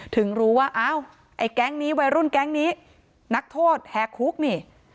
ถึงรู้ว่าอ้าวไอ้แก๊งนี้วัยรุ่นแก๊งนี้นักโทษแหกคุกนี่